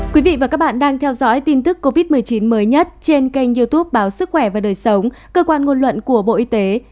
quý vị và các bạn đang theo dõi tin tức covid một mươi chín mới nhất trên kênh youtube báo sức khỏe và đời sống cơ quan ngôn luận của bộ y tế